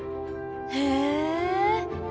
へえ。